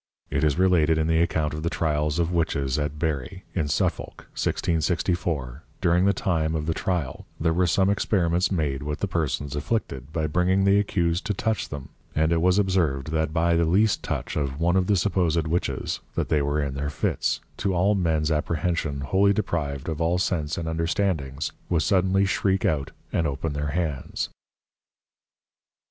It is related in the Account of the Tryals of Witches at Bury in Suffolk 1664, during the time of the Tryal, there were some Experiments made with the Persons afflicted, by bringing the accused to touch them, and it was observed that by the least Touch of one of the supposed Witches, they that were in their Fits, to all mens Apprehension wholly deprived of all Sense and Understandings, would suddenly shriek out and open their Hands.